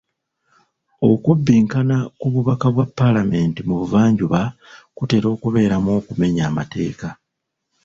Okubbinkana ku bubaka bwa paalamenti mu buvanjuba kutera okubeeramu okumenya amateeka.